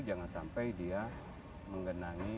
jangan sampai dia menggenangi